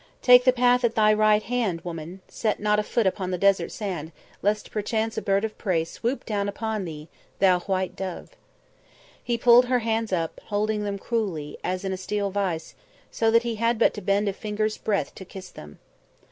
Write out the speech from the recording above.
"Take the path at thy right hand, woman; set not a foot upon the desert sand, lest perchance a bird of prey swoop down upon thee, thou white dove." He pulled her hands up, holding them cruelly, as in a steel vise, so that he had but to bend a finger's breadth to kiss them.